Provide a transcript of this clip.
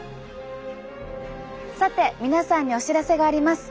さて皆さんにお知らせがあります。